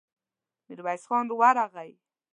ميرويس خان ورغی.